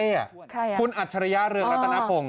ใครอ่ะขุนอัดฉริยาเรืองรัตนาภง